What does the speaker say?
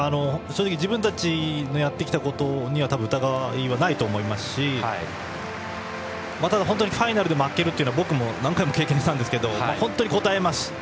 正直自分たちのやってきたことに疑いはないと思いますしただ、本当にファイナルで負けるというのは僕も何回も経験しましたが本当にこたえます。